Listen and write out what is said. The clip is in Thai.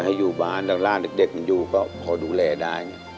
จะให้อยู่บ้านดังล่าเด็กอยู่ก็พอดูแลได้